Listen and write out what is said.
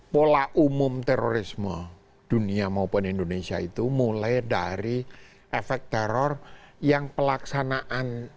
pola umum terorisme dunia maupun indonesia itu mulai dari efek teror yang pelaksanaan